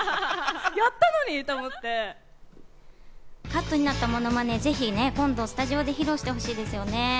カットになったものまね、ぜひ今度スタジオで披露してほしいですよね。